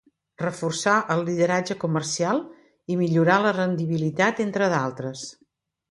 Reforçar el lideratge comercial i millorar la rendibilitat, entre d'altres.